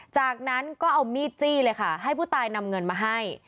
จากนั้นก็เอามีดจี้เลยค่ะให้ผู้ตายนำเงินมาให้